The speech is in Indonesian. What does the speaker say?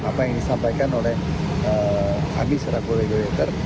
apa yang disampaikan oleh habis raku regulator